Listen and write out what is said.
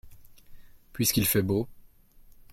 Puisqu’il fait beau.